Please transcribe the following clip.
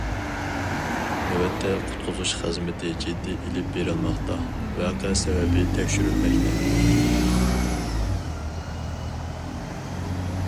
نۆۋەتتە، قۇتقۇزۇش خىزمىتى جىددىي ئېلىپ بېرىلماقتا، ۋەقە سەۋەبى تەكشۈرۈلمەكتە.